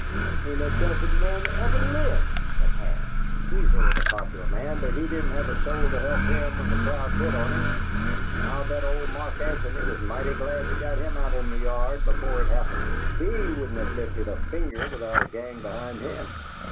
There ain't a dozen men ever LIVED that had! Caesar was a popular man, but he didn't have a soul to help him when the crowd lit on him, and I'll bet old Mark Antony was mighty glad they got him out in the yard before it happened, HE wouldn't have lifted a finger without a gang behind him!